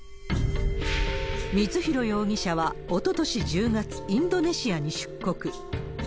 光弘容疑者は、おととし１０月、インドネシアに出国。